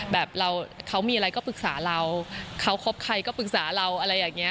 แบบเราเขามีอะไรก็ปรึกษาเราเขาคบใครก็ปรึกษาเราอะไรอย่างนี้